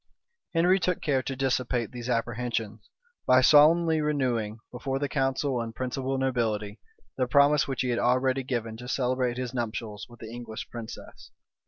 Henry took care to dissipate these apprehensions, by solemnly renewing, before the council and principal nobility, the promise which he had already given to celebrate his nuptials with the English princess.